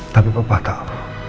tapi papa tahu